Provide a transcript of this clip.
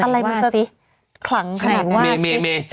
อะไรมันจะขลังขนาดนั้น